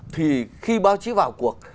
thì khi báo chí vào cuộc